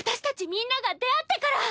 みんなが出会ってから！